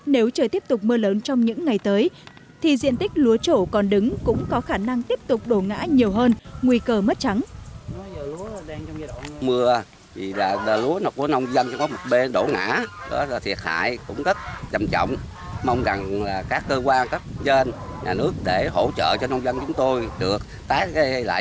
nếu trời tiếp tục mưa lớn trong những ngày tới thì diện tích lúa trổ còn đứng cũng có khả năng tiếp tục đổ ngã nhiều hơn nguy cơ mất trắng